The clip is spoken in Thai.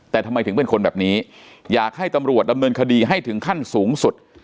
แต่ทำไมถึงเป็นคนแบบนี้อยากให้ตำรวจดำเนินคดีให้ถึงขั้นสูงสุด